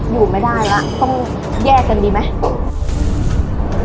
อยู่ไม่ได้แล้วต้องแยกกันดีไหม